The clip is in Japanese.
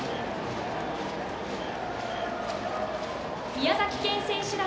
宮崎県選手団。